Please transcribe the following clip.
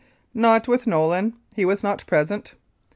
Not with Nolin. He was not present.